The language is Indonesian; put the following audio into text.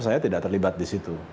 saya tidak terlibat di situ